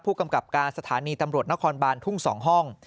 ผู้กำกับการสถานีตำรวจนครบานทุ่ง๒ห้อง